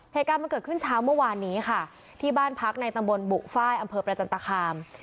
เหตุการณ์มันเกิดขึ้นเช้าเมื่อวานนี้ค่ะที่บ้านพักในตำบลบุฟ้ายอำเภอประจันตคาม